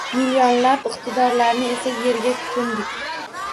Millionlab iqtidorlarni esa yerga ko‘mdik.